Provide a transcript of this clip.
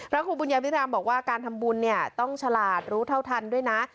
ครูบุญญาวิรามบอกว่าการทำบุญเนี่ยต้องฉลาดรู้เท่าทันด้วยนะ